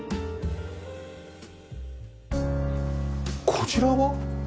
こちらは？